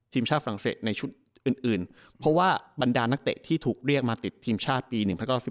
ทีมชาติฝรั่งเศสในชุดอื่นเพราะว่าบรรดานักเตะที่ถูกเรียกมาติดทีมชาติปี๑๐๙๔